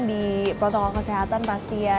di protokol kesehatan pasti ya